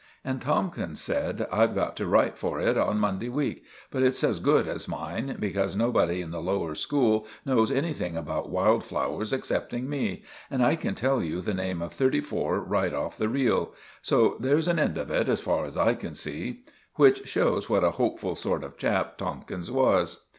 And Tomkins said, "I've got to write for it on Monday week; but it's as good as mine, because nobody in the lower school knows anything about wild flowers excepting me, and I can tell you the name of thirty four right off the reel; so there's an end of it, as far as I can see." Which shows what a hopeful sort of chap Tomkins was.